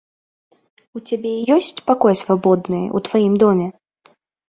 У цябе ёсць пакой свабодны ў тваім доме?